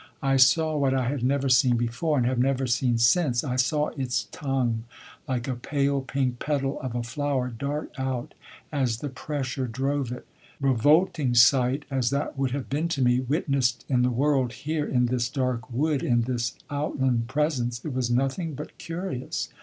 I saw what I had never seen before, and have never seen since, I saw its tongue like a pale pink petal of a flower dart out as the pressure drove it. Revolting sight as that would have been to me, witnessed in the world, here, in this dark wood, in this outland presence, it was nothing but curious.